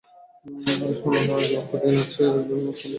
আর শুনে নাও, এক লক্ষ দিনারের চেয়ে একজন মুসলমান আমার নিকট অধিক প্রিয়।